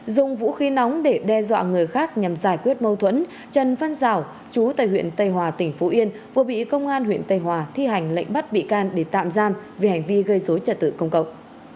dùng vũ khí nóng để đe dọa người khác nhằm giải quyết mâu thuẫn trần văn giảo chú tại huyện tây hòa tỉnh phú yên vừa bị công an huyện tây hòa thi hành lệnh bắt bị can để tạm giam vì hành vi gây dối trật tự công cộng